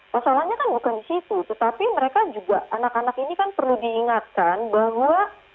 masalahnya kan bukan di situ tetapi mereka juga anak anak ini kan perlu diingatkan bahwa walaupun sekarang sekolahnya kita cek